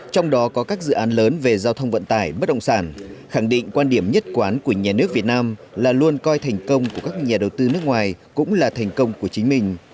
trong đó có các dự án lớn về giao thông vận tải bất động sản khẳng định quan điểm nhất quán của nhà nước việt nam là luôn coi thành công của các nhà đầu tư nước ngoài cũng là thành công của chính mình